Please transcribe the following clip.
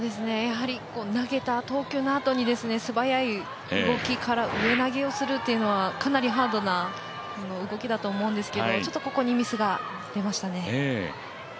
投球のあとに素早い動きから上投げをするというのはかなりハードな動きだと思うんですけどちょっとここにミスが出ましたね。